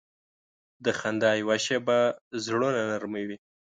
د خندا یوه شیبه زړونه نرمه وي.